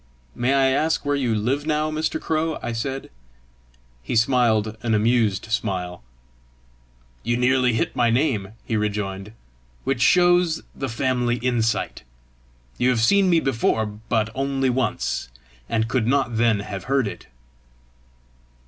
"May I ask where you live now, Mr. Crow?" I said. He smiled an amused smile. "You nearly hit my name," he rejoined, "which shows the family insight. You have seen me before, but only once, and could not then have heard it!"